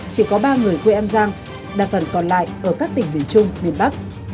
chỉ có ba người quê an giang đa phần còn lại ở các tỉnh miền trung miền bắc